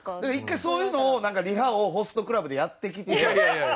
１回そういうのをリハをホストクラブでやってきて。